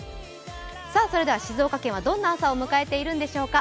それでは静岡県はどんな朝を迎えているのでしょうか。